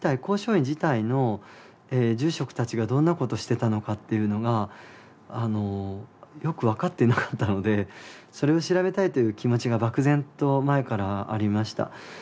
光照院自体の住職たちがどんなことしてたのかっていうのがあのよく分かってなかったのでそれを調べたいという気持ちが漠然と前からありました。